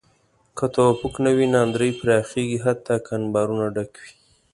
که توافق نه وي، ناندرۍ پراخېږي حتی که انبارونه ډک وي.